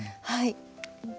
はい。